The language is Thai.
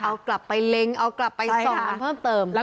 เอากลับไปเล็งเอากลับไปส่องกันเพิ่มเติม